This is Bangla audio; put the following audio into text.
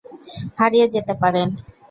হারিয়ে যেতে পারেন।